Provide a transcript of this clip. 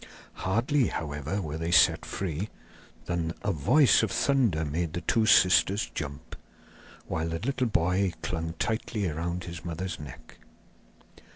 Hardly, however, were they set free, than a voice of thunder made the two sisters jump, while the little boy clung tightly round his mother's neck.